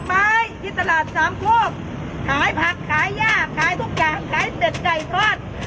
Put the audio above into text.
ไม้ที่ตลาดสามโคกขายผักขายย่าขายทุกอย่างขายเป็ดไก่ทอด